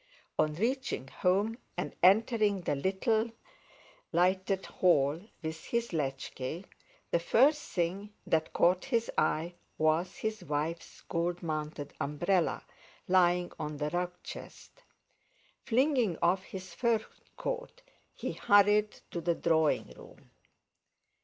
On reaching home, and entering the little lighted hall with his latchkey, the first thing that caught his eye was his wife's gold mounted umbrella lying on the rug chest. Flinging off his fur coat, he hurried to the drawing room.